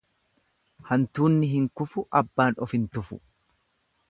Antuunni hin kufu, abban of hin tufu.